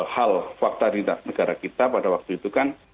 hal fakta di negara kita pada waktu itu kan